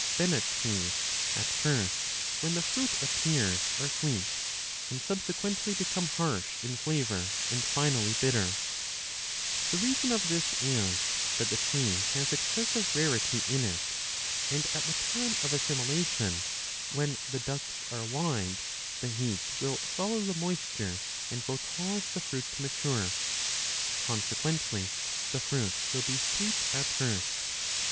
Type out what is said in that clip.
Bennut trees l at first when the fruit appears are sweet, and subsequently become harsh in flavour and finally bitter. 35 The reason of this is that the tree has excessive rarity in it, and at the time of assimilation, when the ducts are wide, the heat will follow the moisture and will cause the fruit to mature ; consequently the fruit will be sweet at first.